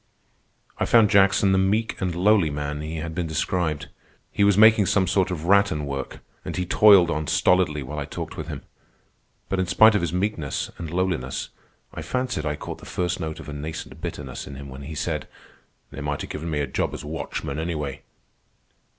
I found Jackson the meek and lowly man he had been described. He was making some sort of rattan work, and he toiled on stolidly while I talked with him. But in spite of his meekness and lowliness, I fancied I caught the first note of a nascent bitterness in him when he said: "They might a given me a job as watchman, anyway."